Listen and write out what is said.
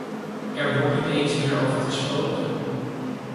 Er wordt niet eens meer over gesproken.